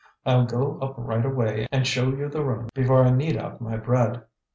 I'll go up right away and show you the room before I knead out my bread."